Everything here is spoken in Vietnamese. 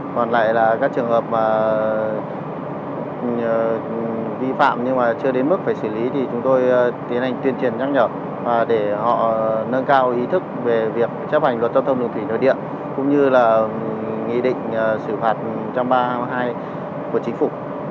còn lại là các trường hợp vi phạm nhưng mà chưa đến mức phải xử lý thì chúng tôi tiến hành tuyên truyền nhắc nhở để họ nâng cao ý thức về việc chấp hành luật tâm thông lượng thủy nội địa cũng như là nghị định xử phạt một trăm ba mươi hai của chính phủ